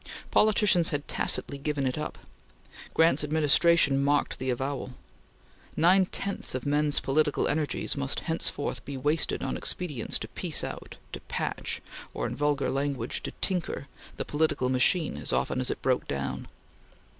Politicians had tacitly given it up. Grant's administration marked the avowal. Nine tenths of men's political energies must henceforth be wasted on expedients to piece out to patch or, in vulgar language, to tinker the political machine as often as it broke down.